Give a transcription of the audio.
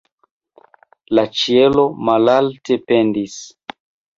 La ĉielo malalte pendis.